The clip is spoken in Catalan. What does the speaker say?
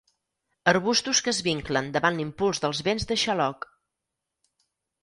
Arbustos que es vinclen davant l'impuls dels vents de xaloc.